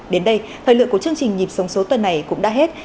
đến đây thời lượng của chương trình nhịp sống số tuần này cũng đã hết